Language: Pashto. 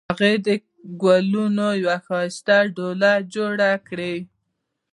هغې د ګلونو یوه ښایسته ډوله جوړه کړې